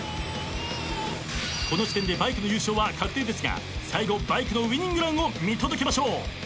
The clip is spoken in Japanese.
この時点でバイクの優勝は確定ですが最後バイクのウイニングランを見届けましょう。